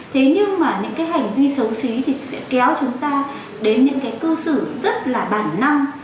thế nhưng mà những cái hành vi xấu xí thì sẽ kéo chúng ta đến những cái cư xử rất là bản năng